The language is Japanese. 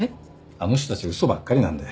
あの人たち嘘ばっかりなんで。